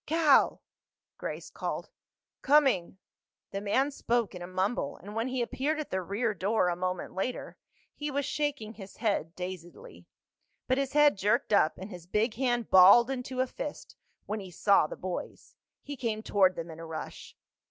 "Cal!" Grace called. "Coming!" The man spoke in a mumble, and when he appeared at the rear door a moment later he was shaking his head dazedly. But his head jerked up and his big hand balled into a fist when he saw the boys. He came toward them in a rush.